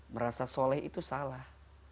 merasa soleh itu salah